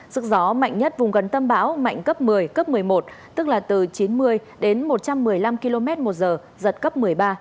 sức gió mạnh nhất vùng gần tâm bão mạnh cấp một mươi cấp một mươi một tức là từ chín mươi đến một trăm một mươi năm km một giờ giật cấp một mươi ba